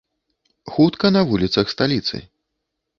Хутка на вуліцах сталіцы.